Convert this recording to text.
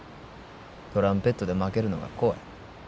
トランペットで負けるのが怖い。